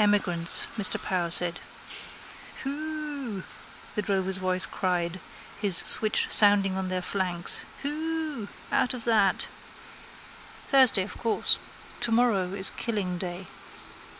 —Emigrants, Mr Power said. —Huuuh! the drover's voice cried, his switch sounding on their flanks. Huuuh! out of that! Thursday, of course. Tomorrow is killing day.